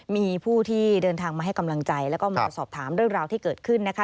มีผู้ที่เดินทางมาให้กำลังใจแล้วก็มาสอบถามเรื่องราวที่เกิดขึ้นนะคะ